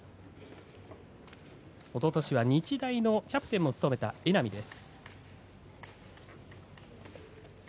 おととしは日大のキャプテンも務めた榎波です。